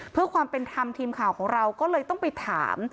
เพื่อความเป็นธรรมทีมข่าวของเราก็เลยต้องไปถาม